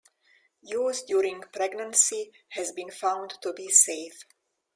Use during pregnancy has been found to be safe.